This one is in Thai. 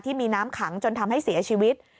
ที่มีน้ำขังจนทำให้เสียชีวิต